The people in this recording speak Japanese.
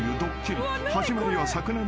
［始まりは昨年の夏］